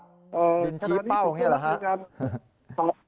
เป็นชี้เป้าอย่างนี้เหรอครับ